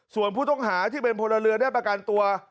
ส่วนผู้ต้องหาที่เป็นพลเรือได้ประกันตัว